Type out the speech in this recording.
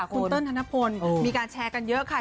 คุณเติ้ลธนพลมีการแชร์กันเยอะค่ะ